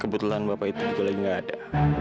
kebetulan bapak itu juga lagi nggak ada